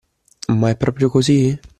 Ma è proprio così?